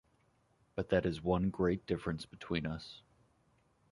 But that is one great difference between us.